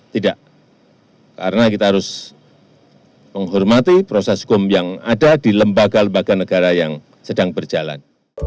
tidak karena kita harus menghormati proses hukum yang ada di lembaga lembaga negara yang sedang berjalan